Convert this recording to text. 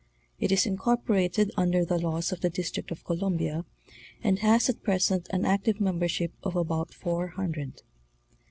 It is in corporated under the laws of the District of Columbia, and has at present an active membership of about four hundred.